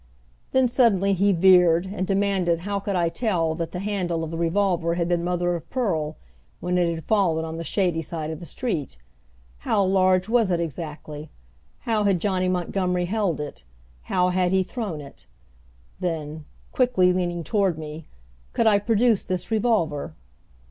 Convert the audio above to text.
Then suddenly he veered and demanded how could I tell that the handle of the revolver had been mother of pearl when it had fallen on the shady side of the street, how large was it exactly, how had Johnny Montgomery held it, how had he thrown it, then quickly leaning toward me could I produce this revolver?